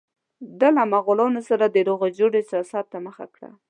ده له مغولانو سره د روغې جوړې سیاست ته مخه کړه.